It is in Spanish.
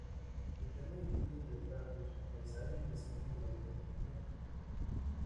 Sus temas incluyen retratos, paisajes y escenas de la vida cotidiana.